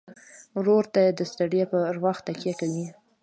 ورور ته د ستړیا پر وخت تکیه کوي.